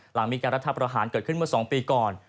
หลังมีการรัฐประหารเกิดขึ้นเมื่อ๒ปีก่อน